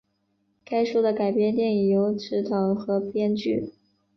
该书的改编电影由执导和编剧。